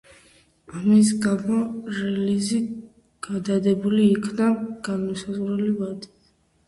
ამის გარდა რელიზი გადადებული იქნა განუსაზღვრელი ვადით.